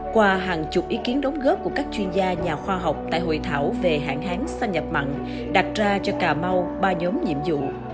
qua hàng chục ý kiến đóng góp của các chuyên gia nhà khoa học tại hội thảo về hạn hán xâm nhập mặn đặt ra cho cà mau ba nhóm nhiệm vụ